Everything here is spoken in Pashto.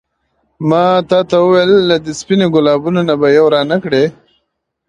ما تا ته وویل له دې سپينو ګلابو نه به یو رانه کړې.